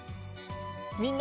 みんな！